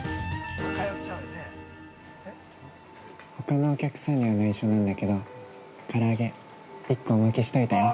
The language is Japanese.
ほかのお客さんには内緒なんだけど、から揚げ１個おまけしといたよ！